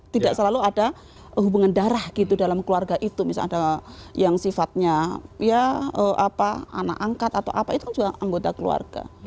tidak selalu ada hubungan darah gitu dalam keluarga itu misalnya yang sifatnya ya apa anak angkat atau apa itu kan juga anggota keluarga